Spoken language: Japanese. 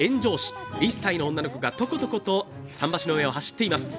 １歳の女の子がとことこと桟橋の上を走っています。